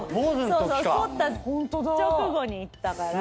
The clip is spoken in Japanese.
そった直後に行ったから。